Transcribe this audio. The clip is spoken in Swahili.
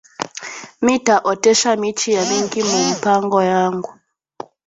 Mita otesha michi ya mingi mu mpango yangu